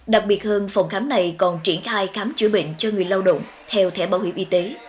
đặc biệt hơn phòng khám này còn triển khai khám chữa bệnh cho người lao động theo thẻ bảo hiểm y tế